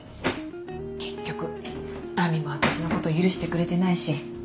結局亜美も私のこと許してくれてないし。